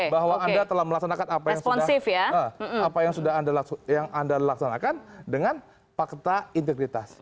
bahwa anda telah melaksanakan apa yang sudah anda laksanakan dengan fakta integritas